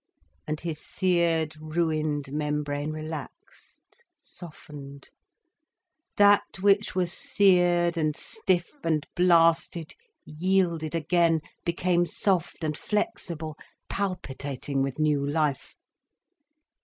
And his seared, ruined membrane relaxed, softened, that which was seared and stiff and blasted yielded again, became soft and flexible, palpitating with new life.